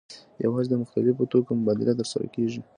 یوازې د مختلفو توکو مبادله ترسره کیږي.